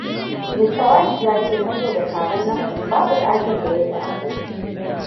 Mista White ya ce saboda taron nan, babu dakin da akoi.